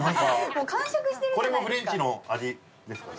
これもフレンチの味ですかね？